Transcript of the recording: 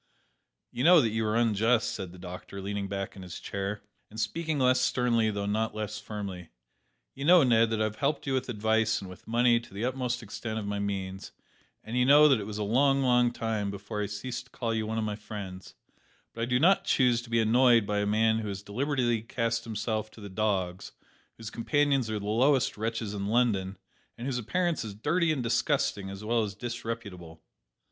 "You know that you are unjust," said the doctor, leaning back in his chair, and speaking less sternly though not less firmly; "you know, Ned, that I have helped you with advice and with money to the utmost extent of my means, and you know that it was a long, long time before I ceased to call you one of my friends; but I do not choose to be annoyed by a man who has deliberately cast himself to the dogs, whose companions are the lowest wretches in London, and whose appearance is dirty and disgusting as well as disreputable."